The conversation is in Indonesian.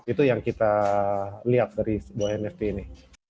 itu yang kita lihat dari sebuah nft ini